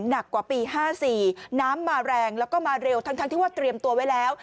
หนักกว่าปี๕๔น้ำมาแรงแล้วก็มาเร็วทั้งที่ว่าเตรียมตัวไว้แล้ว